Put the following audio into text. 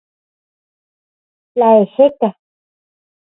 Tlaejeka.